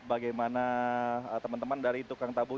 bagaimana teman teman dari tukang tabuh